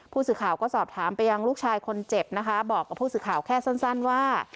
ผู้สื่อข่าวก็สอบถามไปยังลูกชายคนเจ็บนะคะบอกกับผู้สื่อข่าวแค่สั้นว่า